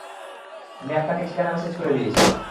আমি আপনাকে ঠিকানা মেসেজ করে দিয়েছি।